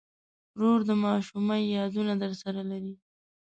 ورور د ماشومۍ یادونه درسره لري.